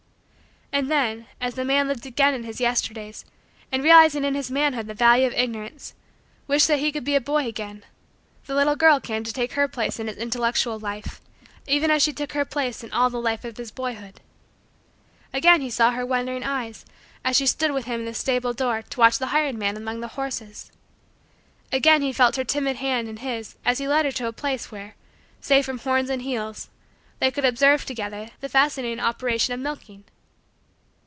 And then, as the man lived again in his Yesterdays, and, realizing in his manhood the value of Ignorance, wished that he could be a boy again, the little girl came to take her place in his intellectual life even as she took her place in all the life of his boyhood. Again he saw her wondering eyes as she stood with him in the stable door to watch the hired man among the horses. Again he felt her timid hand in his as he led her to a place where, safe from horns and heels, they could observe, together, the fascinating operation of milking.